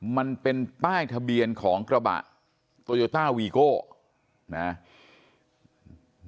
มันเป็นป้ายทะเบียนของกระบะโตโยต้าวีโก้นะ